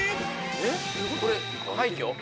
えっこれ廃墟？